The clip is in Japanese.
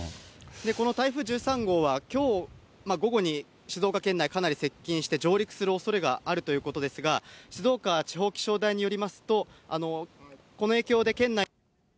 この台風１３号はきょう午後に静岡県内かなり接近して上陸するおそれがあるということですが、静岡地方気象台によりますと、この影響で県内。